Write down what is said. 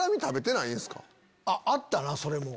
あったなそれも。